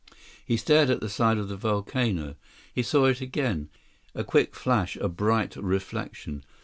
He stared at the side of the volcano. He saw it again. A quick flash, a bright reflection.